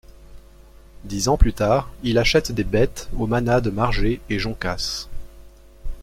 Dix ans plus tard, il achète des bêtes aux manades Margé et Joncas.